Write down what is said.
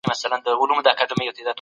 چې زموږ د زړه ټوټې دي.